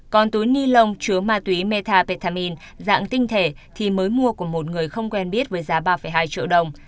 còn túi ni lông chứa ma túy meta petamin dạng tinh thể thì mới mua của một người không quen biết với giá ba hai triệu đồng